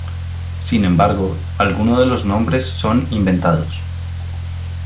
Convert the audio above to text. Sin embargo, algunos de los nombres son inventados.